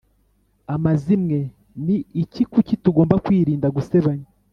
Amazimwe ni iki Kuki tugomba kwirinda gusebanya